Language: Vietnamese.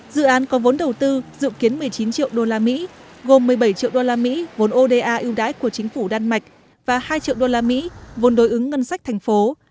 dự án có vốn đầu tư dự kiến một mươi chín triệu usd gồm một mươi bảy triệu usd vốn oda ưu đãi của chính phủ đan mạch và hai triệu usd vốn đối ứng ngân sách thành phố